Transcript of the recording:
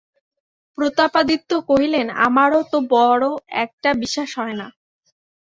প্রতাপাদিত্য কহিলেন, আমারও তো বড়ো একটা বিশ্বাস হয় না।